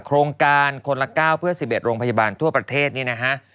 โครงการคนละ๙เพื่อ๑๑โรงพยาบาลทั่วประเทศนี้นะฮะ